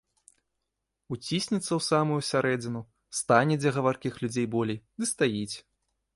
Уціснецца ў самую сярэдзіну, стане, дзе гаваркіх людзей болей, ды стаіць.